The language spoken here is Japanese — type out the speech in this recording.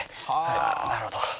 なるほど。